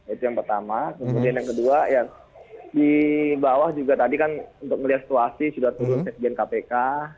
itu yang pertama kemudian yang kedua ya di bawah juga tadi kan untuk melihat situasi sudah turun sekjen kpk